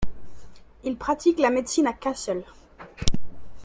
Il pratique la médecine à Kassel.